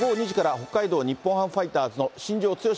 北海道日本ハムファイターズの新庄剛志